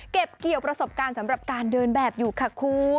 เก็บเกี่ยวประสบการณ์สำหรับการเดินแบบอยู่ค่ะคุณ